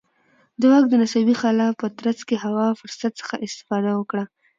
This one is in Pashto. د واک د نسبي خلا په ترڅ کې هوا فرصت څخه استفاده وکړه.